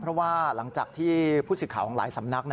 เพราะว่าหลังจากที่ผู้สื่อข่าวของหลายสำนัก